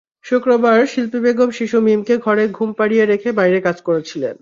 শুক্রবার শিল্পী বেগম শিশু মীমকে ঘরে ঘুম পাড়িয়ে রেখে বাইরে কাজ করছিলেন।